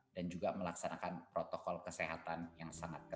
sesuai dasar periksa yang ada dalam skb